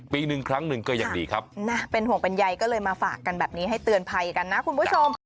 ปีหนึ่งครั้งหนึ่งก็ยังดีครับนะเป็นห่วงเป็นใยก็เลยมาฝากกันแบบนี้ให้เตือนภัยกันนะคุณผู้ชม